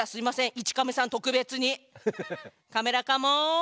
１カメさん特別に。カメラカモーン。